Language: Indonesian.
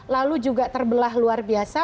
lalu juga terbelah luar biasa